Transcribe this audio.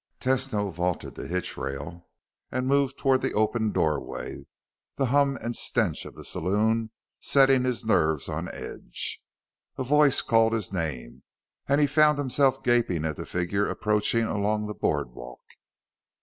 Tesno vaulted the hitchrail and moved toward the open doorway, the hum and stench of the saloon setting his nerves on edge. A voice called his name, and he found himself gaping at the figure approaching along the boardwalk.